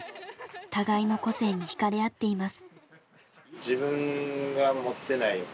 互いの個性に引かれ合っています。